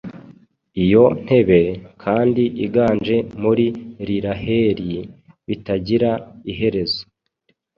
Iyo ntebe, kandi iganje muri Iiraheli bitagira iherezo